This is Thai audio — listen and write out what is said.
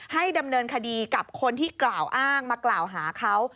ให้ดำเนินคดีกับคนที่กล่าวอ้างมากล่าวหาเขา